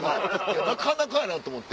なかなかやな！と思って。